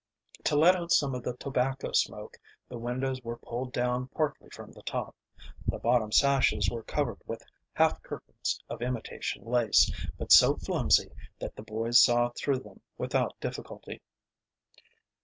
To let out some of the tobacco smoke the windows were pulled down partly from the top. The bottom sashes were covered with half curtains of imitation lace, but so flimsy that the boys saw through them without difficulty.